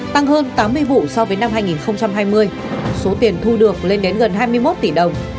tăng hơn tám mươi vụ so với năm hai nghìn hai mươi số tiền thu được lên đến gần hai mươi một tỷ đồng